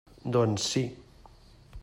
Doncs, sí.